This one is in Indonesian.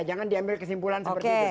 jangan diambil kesimpulan seperti itu